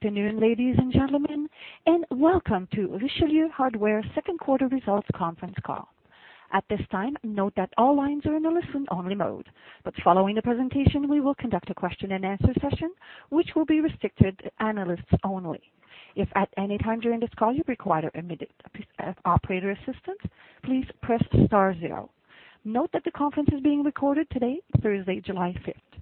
Afternoon, ladies and gentlemen, welcome to Richelieu Hardware second quarter results conference call. At this time, note that all lines are in a listen-only mode. Following the presentation, we will conduct a question and answer session, which will be restricted to analysts only. If at any time during this call you require operator assistance, please press star zero. Note that the conference is being recorded today, Thursday, July 5th.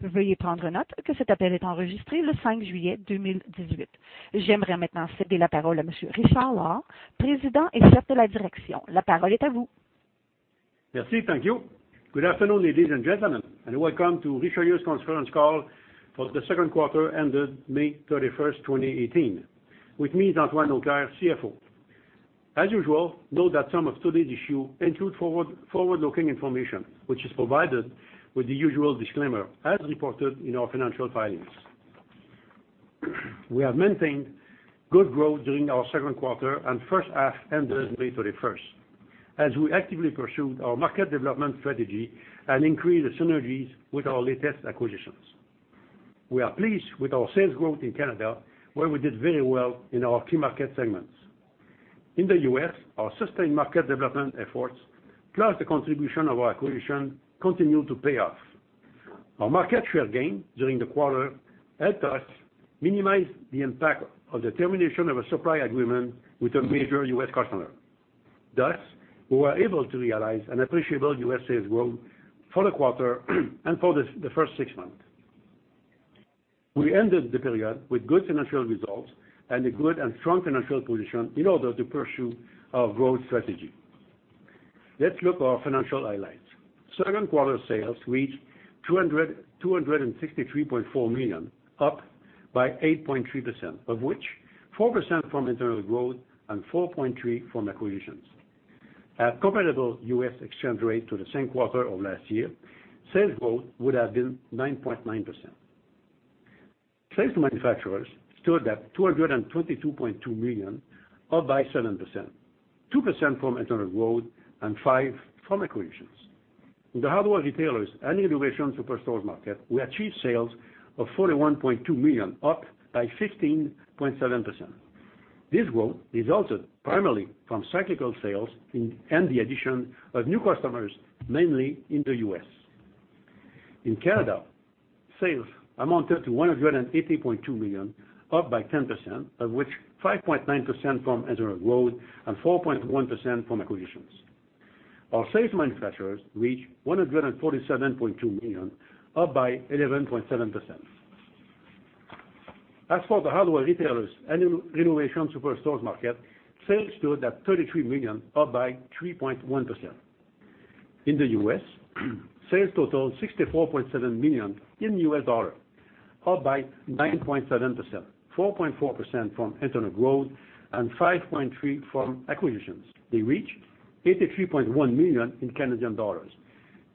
Thank you. Good afternoon, ladies and gentlemen, welcome to Richelieu's conference call for the second quarter ended May 31st, 2018. With me is Antoine Auclair, CFO. As usual, note that some of today's issues include forward-looking information, which is provided with the usual disclaimer, as reported in our financial filings. We have maintained good growth during our second quarter and first half ended May 31st, as we actively pursued our market development strategy and increased the synergies with our latest acquisitions. We are pleased with our sales growth in Canada, where we did very well in our key market segments. In the U.S., our sustained market development efforts, plus the contribution of our acquisition, continue to pay off. Our market share gain during the quarter helped us minimize the impact of the termination of a supply agreement with a major U.S. customer. Thus, we were able to realize an appreciable U.S. sales growth for the quarter and for the first six months. We ended the period with good financial results and a good and strong financial position in order to pursue our growth strategy. Let's look our financial highlights. Second quarter sales reached 263.4 million, up by 8.3%, of which 4% from internal growth and 4.3% from acquisitions. At comparable U.S. exchange rate to the same quarter of last year, sales growth would have been 9.9%. Sales to manufacturers stood at 222.2 million, up by 7%, 2% from internal growth and 5% from acquisitions. In the hardware retailers and renovation superstore market, we achieved sales of 41.2 million, up by 15.7%. This growth resulted primarily from cyclical sales and the addition of new customers, mainly in the U.S. In Canada, sales amounted to 180.2 million, up by 10%, of which 5.9% from internal growth and 4.1% from acquisitions. Our sales to manufacturers reached 147.2 million, up by 11.7%. As for the hardware retailers and renovation superstores market, sales stood at 33 million, up by 3.1%. In the U.S., sales totaled $64.7 million in U.S. dollar, up by 9.7%, 4.4% from internal growth and 5.3% from acquisitions. They reached 83.1 million in Canadian dollars,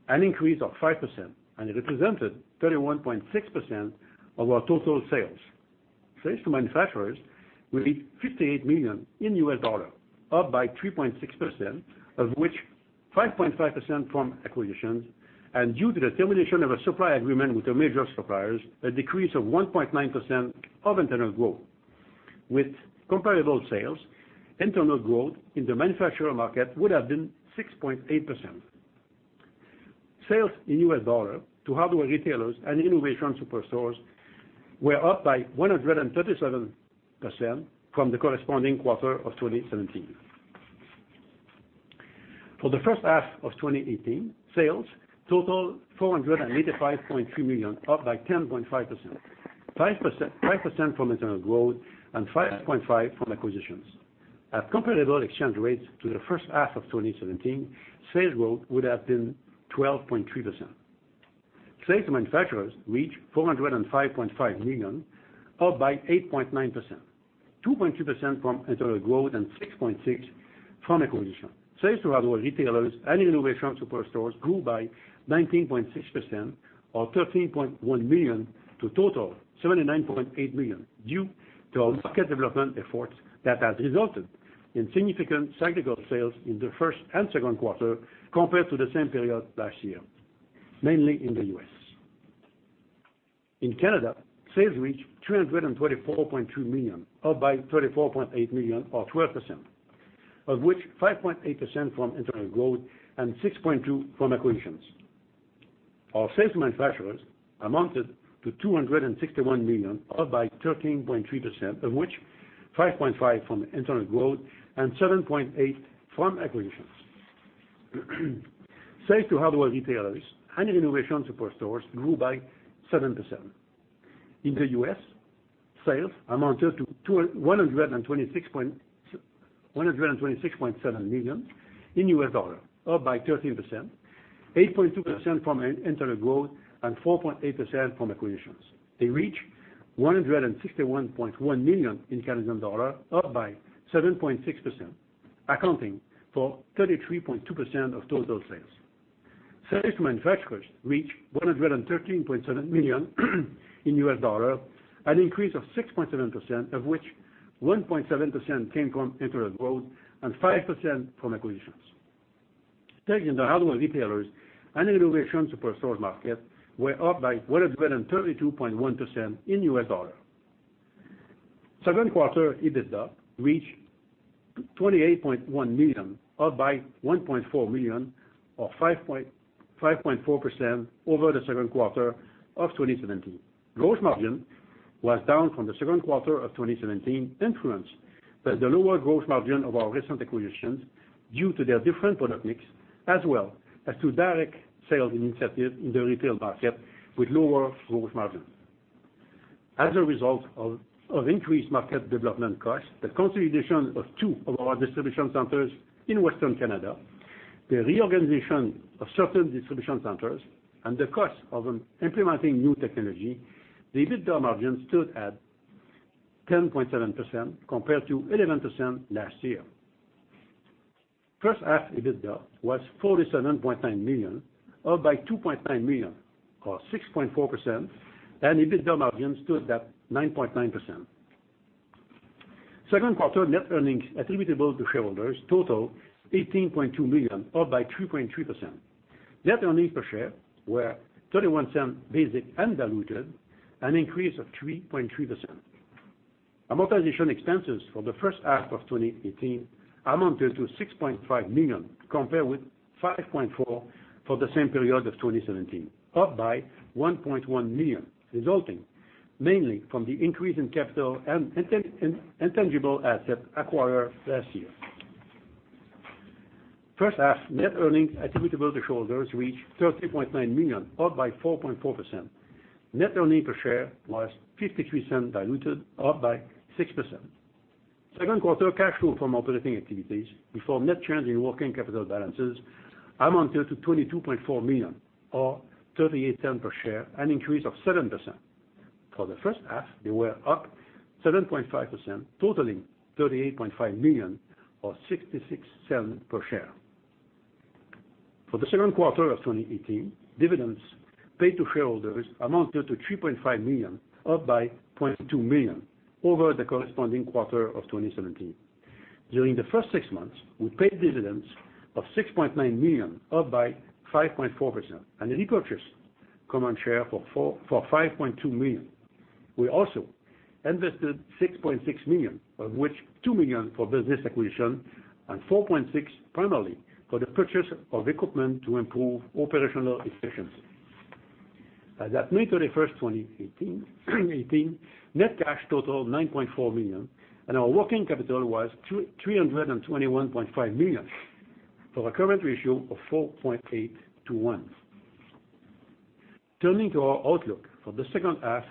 an increase of 5%, it represented 31.6% of our total sales. Sales to manufacturers reached $58 million in U.S. dollar, up by 3.6%, of which 5.5% from acquisitions, due to the termination of a supply agreement with the major suppliers, a decrease of 1.9% of internal growth. With comparable sales, internal growth in the manufacturer market would have been 6.8%. Sales in U.S. dollar to hardware retailers and renovation superstores were up by 137% from the corresponding quarter of 2017. For the first half of 2018, sales totaled 485.3 million, up by 10.5%, 5% from internal growth and 5.5% from acquisitions. At comparable exchange rates to the first half of 2017, sales growth would have been 12.3%. Sales to manufacturers reached 405.5 million, up by 8.9%, 2.3% from internal growth and 6.6% from acquisition. Sales to hardware retailers and renovation superstores grew by 19.6% or 13.1 million to total 79.8 million due to our market development efforts that has resulted in significant cyclical sales in the first and second quarter compared to the same period last year, mainly in the U.S. In Canada, sales reached 324.2 million, up by 34.8 million or 12%, of which 5.8% from internal growth and 6.2% from acquisitions. Our sales to manufacturers amounted to 261 million, up by 13.3%, of which 5.5% from internal growth and 7.8% from acquisitions. Sales to hardware retailers and renovation superstores grew by 7%. In the U.S., sales amounted to $126.7 million in U.S. dollar, up by 13%. 8.2% from internal growth and 4.8% from acquisitions. They reach 161.1 million in Canadian dollars, up by 7.6%, accounting for 33.2% of total sales. Sales to manufacturers reach $113.7 million in U.S. dollars, an increase of 6.7%, of which 1.7% came from internal growth and 5% from acquisitions. Sales in the hardware retailers and renovation superstore market were up by 132.1% in U.S. dollars. Second quarter EBITDA reached 28.1 million, up by 1.4 million, or 5.4% over the second quarter of 2017. Gross margin was down from the second quarter of 2017, influenced by the lower gross margin of our recent acquisitions due to their different product mix, as well as to direct sales initiative in the retail market with lower gross margin. As a result of increased market development costs, the consolidation of two of our distribution centers in Western Canada, the reorganization of certain distribution centers, and the cost of implementing new technology, the EBITDA margin stood at 10.7% compared to 11% last year. First half EBITDA was 47.9 million, up by 2.9 million or 6.4%, and EBITDA margin stood at 9.9%. Second quarter net earnings attributable to shareholders total 18.2 million, up by 3.3%. Net earnings per share were 0.31 basic and diluted, an increase of 3.3%. Amortization expenses for the first half of 2018 amounted to 6.5 million, compared with 5.4 million for the same period of 2017, up by 1.1 million, resulting mainly from the increase in capital and intangible assets acquired last year. First half net earnings attributable to shareholders reached 30.9 million, up by 4.4%. Net earnings per share was 0.53 diluted, up by 6%. Second quarter cash flow from operating activities before net change in working capital balances amounted to 22.4 million or 0.38 per share, an increase of 7%. For the first half, they were up 7.5%, totaling 38.5 million or 0.66 per share. For the second quarter of 2018, dividends paid to shareholders amounted to 3.5 million, up by 0.2 million over the corresponding quarter of 2017. During the first six months, we paid dividends of 6.9 million, up by 5.4%, and we purchased common share for 5.2 million. We also invested 6.6 million, of which 2 million for business acquisition and 4.6 million primarily for the purchase of equipment to improve operational efficiency. As at May 31, 2018, net cash totaled 9.4 million, and our working capital was 321.5 million for a current ratio of 4.8 to 1. Turning to our outlook for the second half,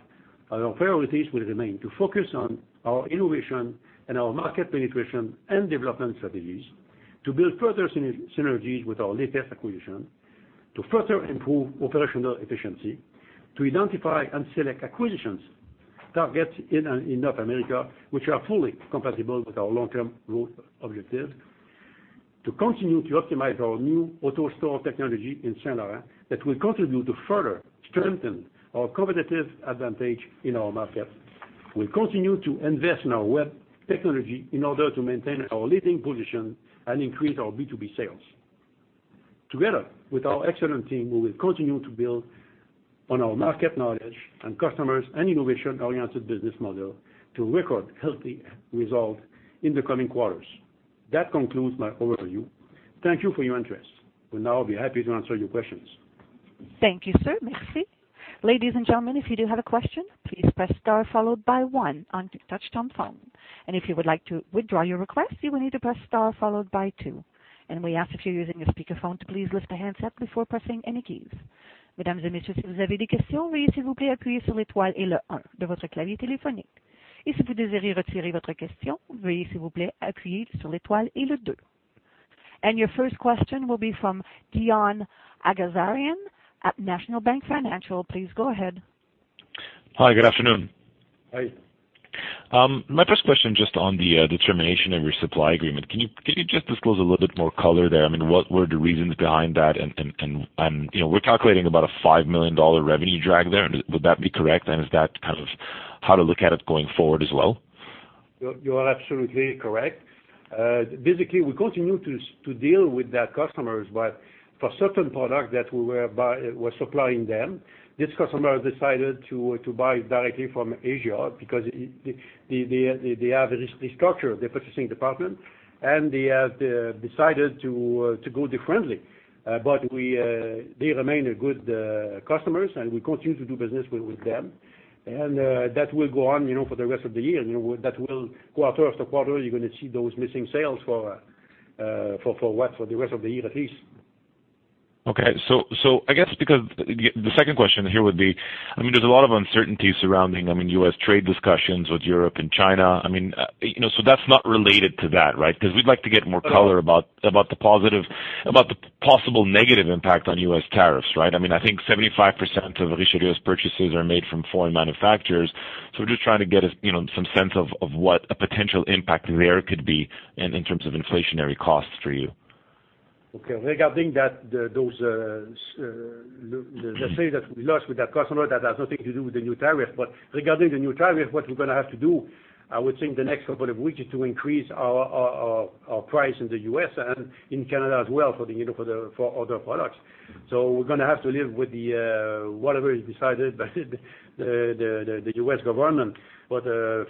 our priorities will remain to focus on our innovation and our market penetration and development strategies to build further synergies with our latest acquisition to further improve operational efficiency, to identify and select acquisitions targets in North America, which are fully compatible with our long-term growth objectives. To continue to optimize our new AutoStore technology in St. Laurent that will contribute to further strengthen our competitive advantage in our market. We will continue to invest in our web technology in order to maintain our leading position and increase our B2B sales. Together with our excellent team, we will continue to build on our market knowledge and customers and innovation-oriented business model to record healthy results in the coming quarters. That concludes my overview. Thank you for your interest. We will now be happy to answer your questions. Thank you, sir. Merci. Ladies and gentlemen, if you do have a question, please press star 1 on touchtone phone. If you would like to withdraw your request, you will need to press star 2. We ask if you're using a speakerphone to please lift the handset before pressing any keys. Your first question will be from Leon Agazarian at National Bank Financial. Please go ahead. Hi, good afternoon. Hi. My first question, just on the termination of your supply agreement. Can you just disclose a little bit more color there? What were the reasons behind that? We're calculating about a 5 million dollar revenue drag there. Would that be correct? Is that how to look at it going forward as well? You are absolutely correct. Basically, we continue to deal with that customer, but for certain products that we're supplying them, this customer decided to buy directly from Asia because they have restructured their purchasing department, and they have decided to go differently. They remain a good customer, and we continue to do business with them. That will go on for the rest of the year. That will quarter after quarter, you're going to see those missing sales for the rest of the year at least. Okay. I guess because the second question here would be, there's a lot of uncertainty surrounding U.S. trade discussions with Europe and China. That's not related to that, right? We'd like to get more color about the possible negative impact on U.S. tariffs, right? I think 75% of Richelieu's purchases are made from foreign manufacturers. We're just trying to get some sense of what a potential impact there could be and in terms of inflationary costs for you. Okay. Regarding that, the sales that we lost with that customer, that has nothing to do with the new tariff. Regarding the new tariff, what we're going to have to do, I would think the next couple of weeks, is to increase our price in the U.S. and in Canada as well for other products. We're going to have to live with whatever is decided by the U.S. government.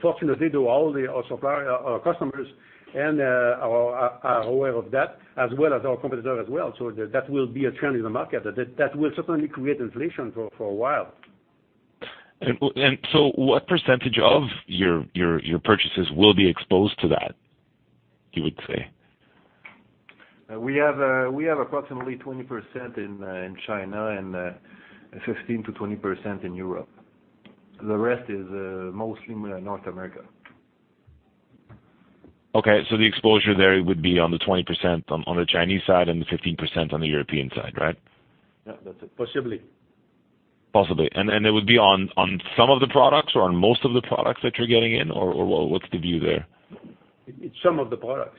Fortunately though, all our customers are aware of that as well as our competitor as well, That will be a trend in the market. That will certainly create inflation for a while. What percentage of your purchases will be exposed to that, you would say? We have approximately 20% in China and 15%-20% in Europe. The rest is mostly North America. The exposure there would be on the 20% on the Chinese side and the 15% on the European side, right? That's it. Possibly. Possibly. It would be on some of the products or on most of the products that you're getting in, or what's the view there? It's some of the products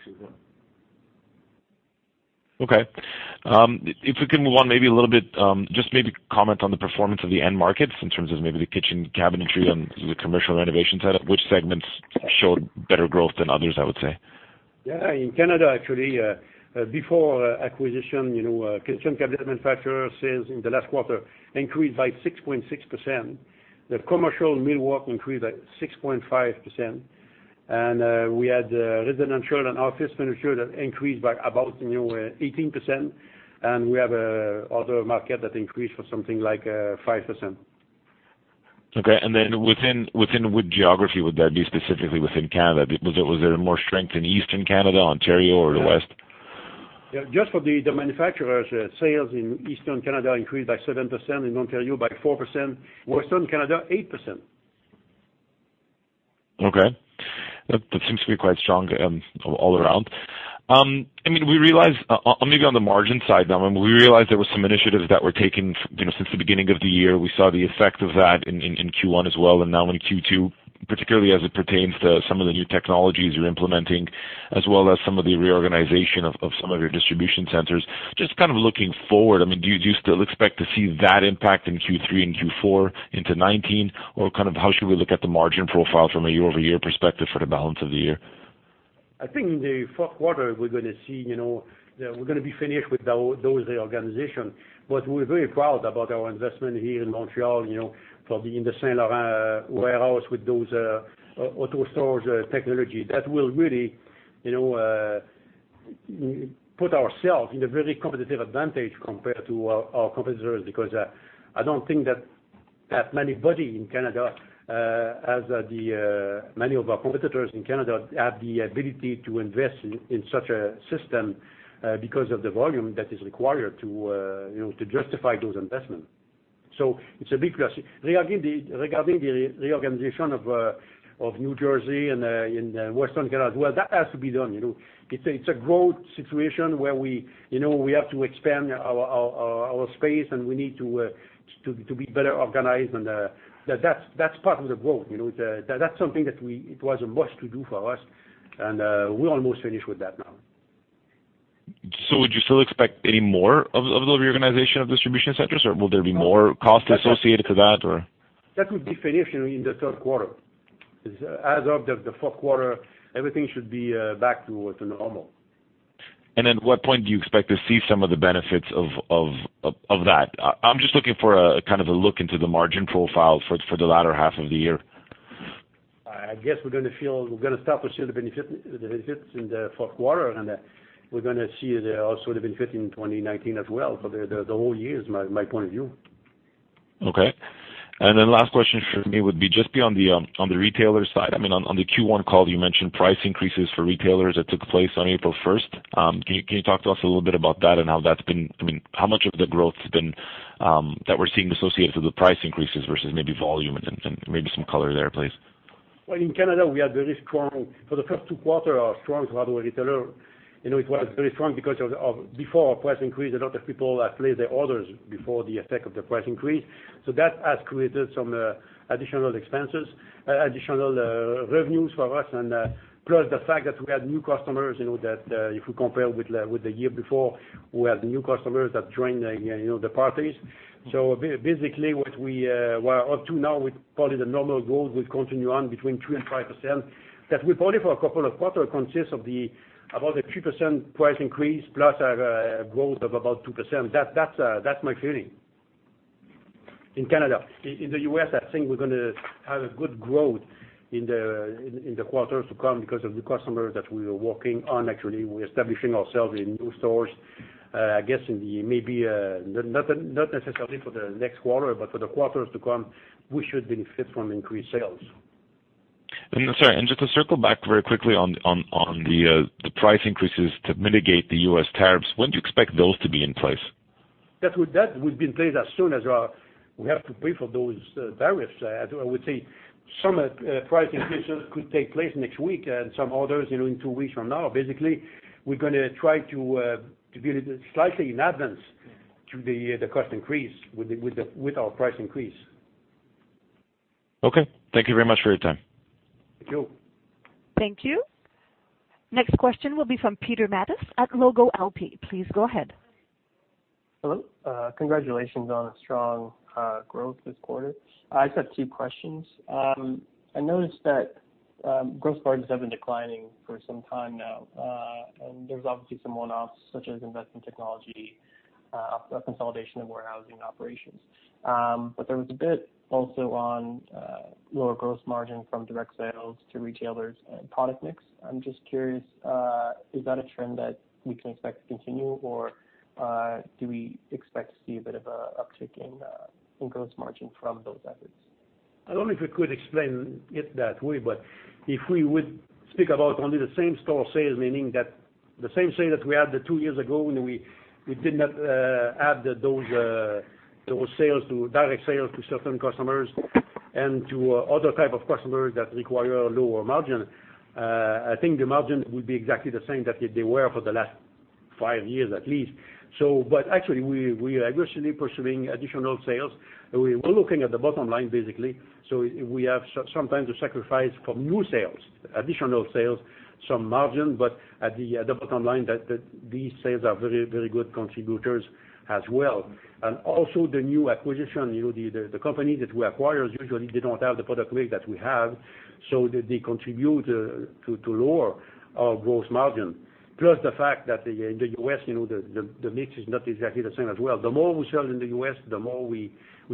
we want. If we can move on maybe a little bit, just maybe comment on the performance of the end markets in terms of maybe the kitchen cabinetry and the commercial renovation side, which segments showed better growth than others, I would say? Yeah. In Canada, actually, before acquisition, kitchen cabinet manufacturer sales in the last quarter increased by 6.6%. The commercial millwork increased by 6.5%. We had residential and office furniture that increased by about 18%. We have other market that increased for something like 5%. Within wood geography, would that be specifically within Canada? Was there more strength in Eastern Canada, Ontario, or the West? Yeah. Just for the manufacturers, sales in Eastern Canada increased by 7%, in Ontario by 4%, Western Canada 8%. Okay. That seems to be quite strong all around. Maybe on the margin side now, we realized there were some initiatives that were taken since the beginning of the year. We saw the effect of that in Q1 as well, and now in Q2, particularly as it pertains to some of the new technologies you're implementing, as well as some of the reorganization of some of your distribution centers. Just kind of looking forward, do you still expect to see that impact in Q3 and Q4 into 2019? Or how should we look at the margin profile from a year-over-year perspective for the balance of the year? I think in the fourth quarter, we're going to be finished with those reorganization. We're very proud about our investment here in Montreal from the St. Laurent warehouse with those AutoStore technology. That will really put ourselves in a very competitive advantage compared to our competitors, because I don't think that many of our competitors in Canada have the ability to invest in such a system, because of the volume that is required to justify those investments. It's a big plus. Regarding the reorganization of New Jersey and Western Canada as well, that has to be done. It's a growth situation where we have to expand our space, and we need to be better organized and that's part of the growth. That's something that it was a must to do for us. We're almost finished with that now. Would you still expect any more of the reorganization of distribution centers, or will there be more cost associated to that? That would be finished in the third quarter. As of the fourth quarter, everything should be back to normal. What point do you expect to see some of the benefits of that? I'm just looking for a kind of a look into the margin profile for the latter half of the year. I guess we're going to start to see the benefits in the fourth quarter, and we're going to see also the benefit in 2019 as well. The whole year is my point of view. Okay. Last question from me would be just on the retailer side. On the Q1 call, you mentioned price increases for retailers that took place on April 1st. Can you talk to us a little bit about that and how much of the growth that we're seeing associated with the price increases versus maybe volume and maybe some color there, please? Well, in Canada, we are very strong. For the first two quarters are strong for other retailers. It was very strong because of before our price increased, a lot of people placed their orders before the effect of the price increase. That has created some additional revenues for us. Plus the fact that we had new customers, that if we compare with the year before, we have the new customers that joined the parties. Basically, what we are up to now with probably the normal growth will continue on between 3% and 5%. That will probably for a couple of quarters consist of about a 3% price increase plus a growth of about 2%. That's my feeling in Canada. In the U.S., I think we're going to have a good growth in the quarters to come because of the customers that we are working on. Actually, we're establishing ourselves in new stores. I guess in the, maybe not necessarily for the next quarter, but for the quarters to come, we should benefit from increased sales. Sorry, just to circle back very quickly on the price increases to mitigate the U.S. tariffs, when do you expect those to be in place? That would be in place as soon as we have to pay for those tariffs. I would say some price increases could take place next week and some others in two weeks from now. Basically, we're going to try to be slightly in advance to the cost increase with our price increase. Okay. Thank you very much for your time. Thank you. Thank you. Next question will be from [inaudible] Please go ahead. Hello. Congratulations on a strong growth this quarter. I just have two questions. I noticed that gross margins have been declining for some time now. There's obviously some one-offs, such as investment technology, consolidation of warehousing operations. There was a bit also on lower gross margin from direct sales to retailers and product mix. I'm just curious, is that a trend that we can expect to continue, or do we expect to see a bit of a uptick in gross margin from those efforts? I don't know if we could explain it that way, but if we would speak about only the same store sales, meaning that the same sale that we had two years ago, when we did not add those direct sales to certain customers and to other type of customers that require a lower margin, I think the margin will be exactly the same that they were for the last five years, at least. Actually, we are aggressively pursuing additional sales. We're looking at the bottom line, basically. We have sometimes to sacrifice for new sales, additional sales, some margin, but at the bottom line, these sales are very good contributors as well. Also the new acquisition, the company that we acquire, usually they don't have the product mix that we have, so they contribute to lower our gross margin. Plus the fact that in the U.S., the mix is not exactly the same as well. The more we sell in the U.S., the more we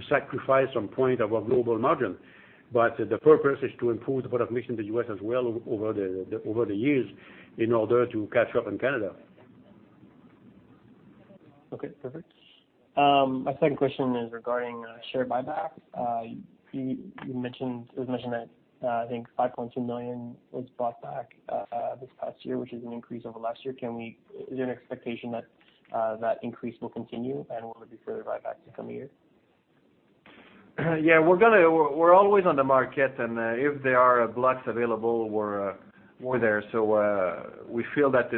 sacrifice some point of our global margin. The purpose is to improve the product mix in the U.S. as well over the years in order to catch up in Canada. Okay, perfect. My second question is regarding share buyback. It was mentioned that I think 5.2 million was bought back this past year, which is an increase over last year. Is there an expectation that increase will continue and will there be further buyback to come here? Yeah, we're always on the market, and if there are blocks available, we're there. We feel that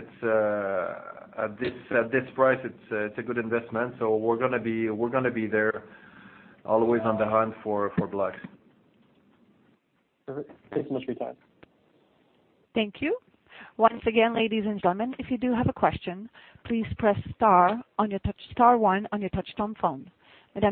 at this price, it's a good investment. We're gonna be there always on the hunt for blocks. Perfect. Thanks so much for your time. Thank you. Once again, ladies and gentlemen, if you do have a question, please press star one on your touch-tone phone. Okay,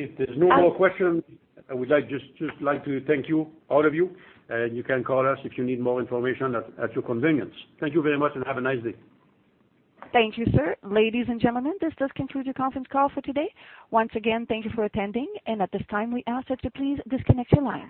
if there's no more questions, I would just like to thank you, all of you, and you can call us if you need more information at your convenience. Thank you very much and have a nice day. Thank you, sir. Ladies and gentlemen, this does conclude your conference call for today. Once again, thank you for attending, and at this time, we ask that you please disconnect your line.